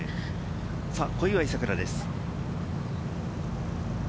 小祝さくらです。